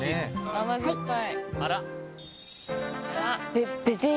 甘酸っぱい！